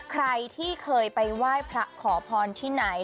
ใครที่เคยไปไหว้พระขอพรที่ไหน